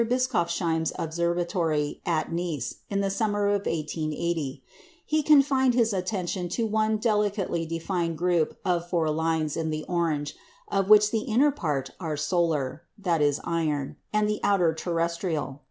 Bischoffsheim's observatory at Nice, in the summer of 1880. He confined his attention to one delicately defined group of four lines in the orange, of which the inner pair are solar (iron) and the outer terrestrial.